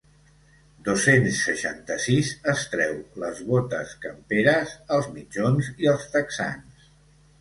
Dos-cents seixanta-sis es treu les botes camperes, els mitjons i els texans.